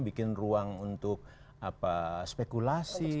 bikin ruang untuk spekulasi